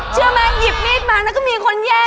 เชื่อมั้ยหยิบมีดมาก็มีคนแย่ง